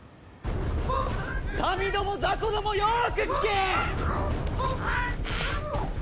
民ども雑魚どもよーく聞けえ！